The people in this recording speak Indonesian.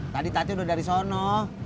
tadi tati udah dari sono